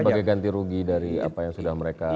sebagai ganti rugi dari apa yang sudah mereka